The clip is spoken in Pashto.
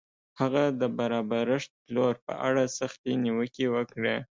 هغه د برابرښت پلور په اړه سختې نیوکې وکړې.